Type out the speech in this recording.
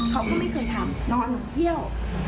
เขาก็ไม่เคยทำนอนเที่ยว